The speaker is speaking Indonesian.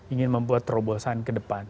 ingin membuat terobosan ke depan